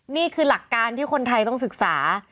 นี่คือหลักการที่คนไทยต้องศึกษา